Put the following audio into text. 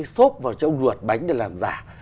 xốp vào trong ruột bánh để làm giả